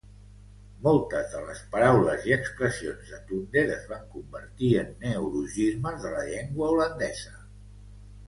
Moltes de les paraules i expressions de Toonder es van convertir en neologismes de la llengua holandesa.